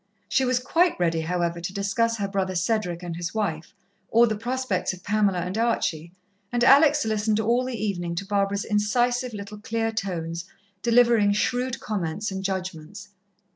She was quite ready, however, to discuss her brother Cedric and his wife, or the prospects of Pamela and Archie, and Alex listened all the evening to Barbara's incisive little clear tones delivering shrewd comments and judgments.